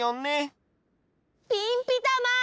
ピンピタマン！